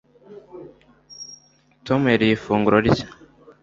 tom yariye ifunguro rye